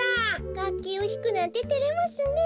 がっきをひくなんててれますねえ。